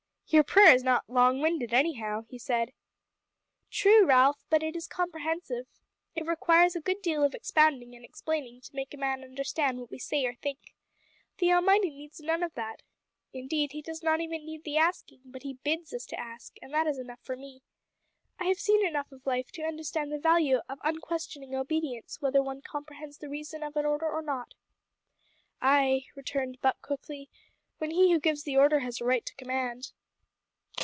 "Your prayer is not long winded, anyhow!" he said. "True, Ralph, but it is comprehensive. It requires a good deal of expounding and explaining to make man understand what we say or think. The Almighty needs none of that. Indeed He does not need even the asking but He bids us ask, and that is enough for me. I have seen enough of life to understand the value of unquestioning obedience whether one comprehends the reason of an order or not." "Ay," returned Buck quickly, "when he who gives the order has a right to command."